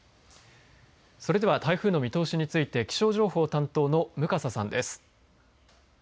それでは、台風の見通しについて気象情報担当の向笠さんです。